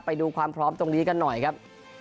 ไปดูความพร้อมตรงนี้กันหน่อยครับ